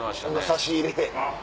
差し入れ。